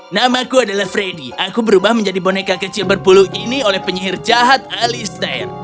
namaku adalah freddy aku berubah menjadi boneka kecil berpuluh ini oleh penyihir jahat alistair